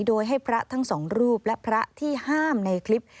โดยให้พระทั้งสองรูปและพระที่ห้ามในคลิป